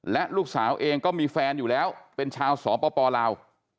และลูกสาวเองก็มีแฟนอยู่แล้วเป็นชาวสปลาว